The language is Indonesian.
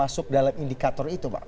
masih masuk ke dalam indikator itu pak